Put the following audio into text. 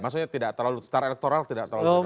maksudnya tidak terlalu setara elektoral tidak terlalu sama